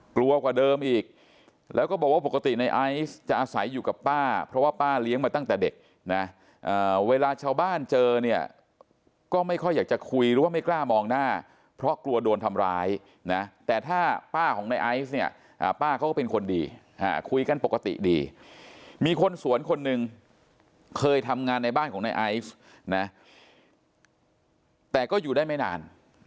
กลัวกว่าเดิมอีกแล้วก็บอกว่าปกติในไอซ์จะอาศัยอยู่กับป้าเพราะว่าป้าเลี้ยงมาตั้งแต่เด็กนะเวลาชาวบ้านเจอเนี่ยก็ไม่ค่อยอยากจะคุยหรือว่าไม่กล้ามองหน้าเพราะกลัวโดนทำร้ายนะแต่ถ้าป้าของในไอซ์เนี่ยป้าเขาก็เป็นคนดีคุยกันปกติดีมีคนสวนคนหนึ่งเคยทำงานในบ้านของในไอซ์นะแต่ก็อยู่ได้ไม่นาน